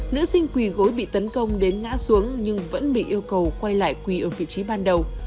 nữ sinh quỳ gối bị tấn công đến ngã xuống nhưng vẫn bị yêu cầu quay lại quỳ ở vị trí ban đầu